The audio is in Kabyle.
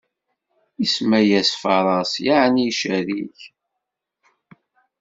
Isemma-yas Faraṣ, yeɛni icerrig.